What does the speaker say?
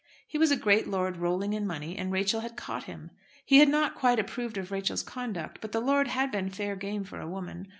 He was a great lord rolling in money, and Rachel had "caught" him. He had not quite approved of Rachel's conduct, but the lord had been fair game for a woman.